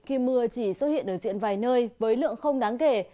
khi mưa chỉ xuất hiện ở diện vài nơi với lượng không đáng kể